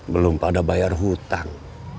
belum pada bayar hutang